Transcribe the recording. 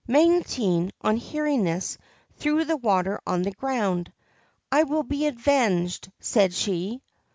Magotine, on hearing this, threw the water on the ground. ' I will be avenged,' said she.